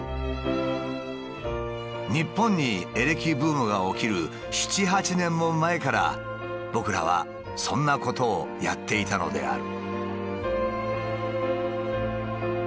「日本にエレキブームが起きる七、八年も前から僕らはそんなことをやっていたのである」。